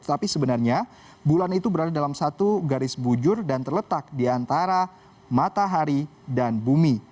tapi sebenarnya bulan itu berada dalam satu garis bujur dan terletak di antara matahari dan bumi